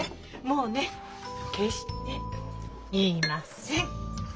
もうね決して言いません！